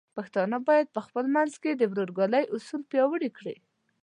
پښتانه بايد په خپل منځ کې د ورورګلوۍ اصول پیاوړي کړي.